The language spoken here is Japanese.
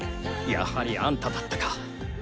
やはりあんただったか。